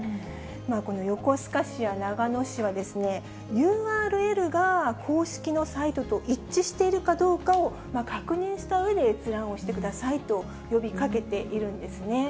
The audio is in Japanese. この横須賀市や長野市は、ＵＲＬが公式のサイトと一致しているかどうかを確認したうえで閲覧をしてくださいと呼びかけているんですね。